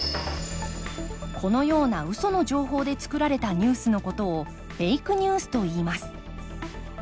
このようなウソの情報でつくられたニュースのことをフェイクニュースといいます。